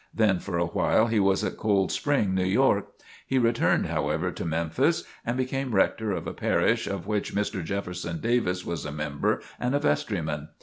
Then for a while he was at Cold Spring, New York. He returned, however, to Memphis and became rector of a parish of which Mr. Jefferson Davis was a member and a vestryman.